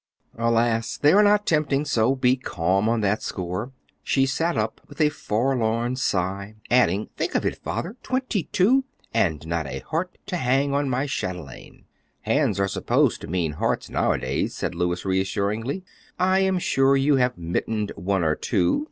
"Alas! They are not tempting, so be quite calm on that score." She sat up with a forlorn sigh, adding, "Think of it, Father, twenty two, and not a heart to hang on my chatelaine." "Hands are supposed to mean hearts nowadays," said Louis, reassuringly; "I am sure you have mittened one or two."